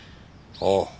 ああ